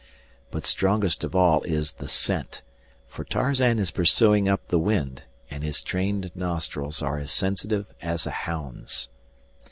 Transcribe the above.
But strongest of all is the scent, for Tarzan is pursuing up the wind, and his trained nostrils are as sensitive as a hound's.